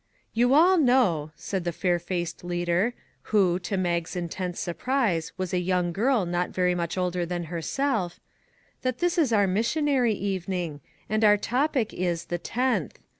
" You all know," said the fair faced leader, who, to Mag's intense surprise, was a young girl not very much older than herself, " that this is our missionary evening, and our topic is ' The Tenth.'